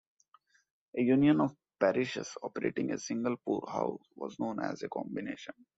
A union of parishes operating a single poorhouse was known as a Combination.